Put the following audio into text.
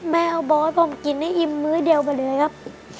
แม่บอกให้ผมอิ่มมือเดียวกันเลยครับ